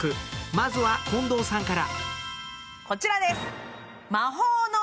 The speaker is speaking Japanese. まずは近藤さんから。